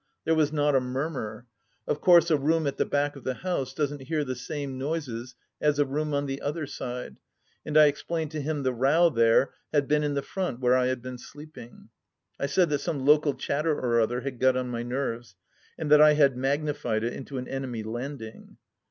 There was not a murmur. Of course a room at the back of the house doesn't hear the same noises as a room on the other side, and I explained to him the row there had been in the front where I had been sleeping. I said that some local chatter or other had got on my nerves, and that I had magnified it into an enemy landing.